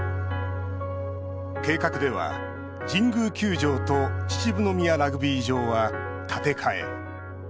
計画では、神宮球場と秩父宮ラグビー場は建て替え。